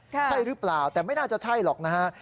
ใช่หรือเปล่าแต่ไม่น่าจะใช่หรอกนะฮะ